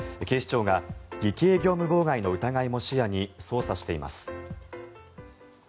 警視庁が偽計業務妨害の疑いも視野に捜査しています。